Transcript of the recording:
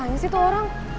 lo apaan sih tuh orang